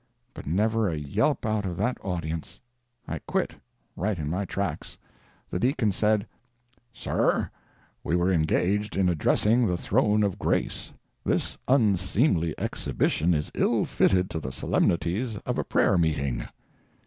But never a yelp out of that audience. I quit, right in my tracks. The deacon said: "Sir, we were engaged in addressing the Throne of Grace. This unseemly exhibition is ill fitted to the solemnities of a prayer meeting!"